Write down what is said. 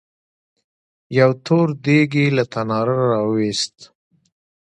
يو تور دېګ يې له تناره راوېست.